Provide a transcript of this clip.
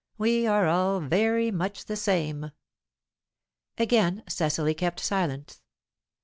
We are all very much the same." Again Cecily kept silence. Mrs.